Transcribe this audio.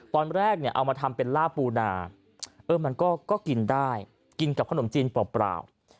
ตอนแรกเนี่ยเอามาทำเป็นล่าปูนามันก็กินได้กินกับขนมจีนเปล่า